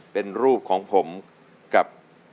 เป็นรูปของผมกับ